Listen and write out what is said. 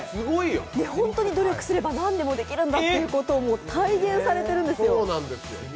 本当に努力すれば何でもできるんだと体現されているんですよ！